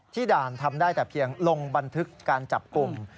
ด่านทำได้แต่เพียงลงบันทึกการจับกลุ่ม